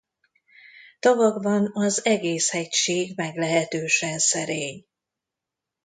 Tavakban az egész hegység meglehetősen szerény.